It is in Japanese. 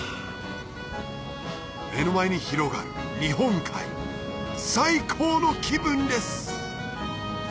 目の前に広がる日本海最高の気分です！